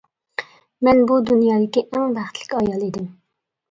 مەن بۇ دۇنيادىكى ئەڭ بەختلىك ئايال ئىدىم.